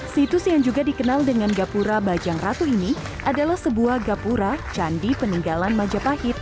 situs yang juga dikenal dengan gapura bajang ratu ini adalah sebuah gapura candi peninggalan majapahit